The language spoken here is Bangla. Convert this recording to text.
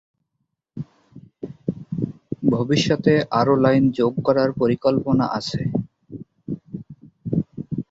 ভবিষ্যতে আরও লাইন যোগ করার পরিকল্পনা আছে।